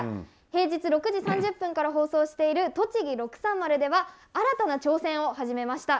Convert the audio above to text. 平日６時３０分から放送している「とちぎ６３０」では新たな挑戦を始めました。